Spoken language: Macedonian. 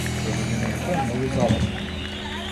Програмирањето е многу забавно.